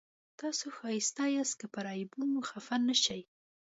تاسو ښایسته یاست که پر عیبونو خفه نه شئ.